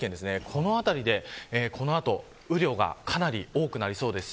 この辺りでこの後も雨量がかなり多くなりそうです。